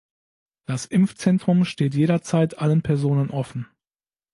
Das Impfzentrum steht jederzeit allen Personen offen.